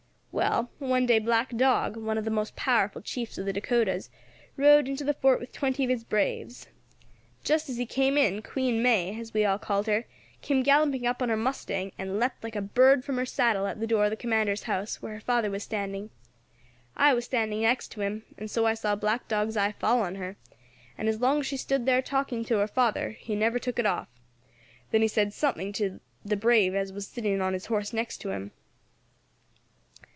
Well, one day Black Dog, one of the most powerful chiefs of the Dacotas, rode into the fort with twenty of his braves. Just as he came in, Queen May, as we all called her, came galloping up on her mustang, and leapt like a bird from her saddle at the door of the commander's house, where her father was standing. I war standing next to him, and so I saw Black Dog's eye fall on her, and as long as she stood talking there to her father he never took it off; then he said something to the brave as was sitting on his horse next to him.